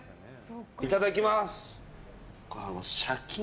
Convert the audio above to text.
いただきます。